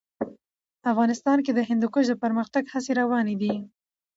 افغانستان کې د هندوکش د پرمختګ هڅې روانې دي.